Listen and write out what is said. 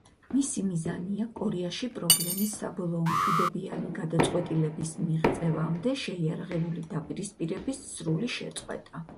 მისი მიზანია „კორეაში პრობლემის საბოლოო მშვიდობიანი გადაწყვეტილების მიღწევამდე შეიარაღებული დაპირისპირების სრული შეწყვეტა“.